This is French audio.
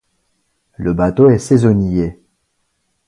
Le bateau est saisonnier.